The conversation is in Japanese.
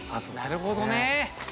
なるほどね。